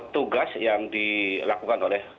tugas yang dilakukan oleh